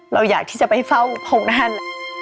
เราอยากที่จะไปเฝ้าพวกนั้น